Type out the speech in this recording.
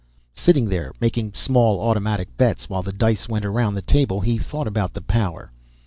Sitting there, making small automatic bets while the dice went around the table, he thought about the power.